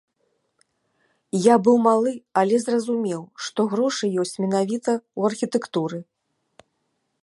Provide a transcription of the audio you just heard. Я быў малы, але зразумеў, што грошы ёсць менавіта ў архітэктуры.